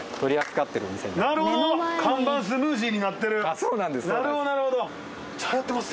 そうなんですよ。